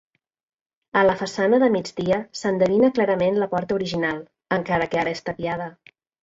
A la façana de migdia s'endevina clarament la porta original, encara que ara és tapiada.